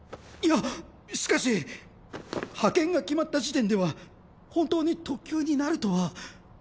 いやしかし派遣が決まった時点では本当に特級になるとは。